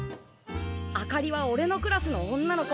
あかりはおれのクラスの女の子。